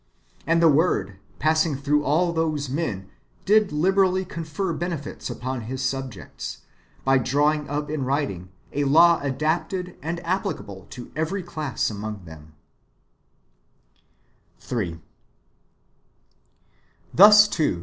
And the "Word, passing through all those [men], did liberally confer benefits upon His subjects, by drawing up in writing a law adapted and applicable to every class [among them], 3. Thus, too.